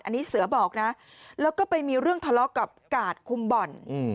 อันนี้เสือบอกนะแล้วก็ไปมีเรื่องทะเลาะกับกาดคุมบ่อน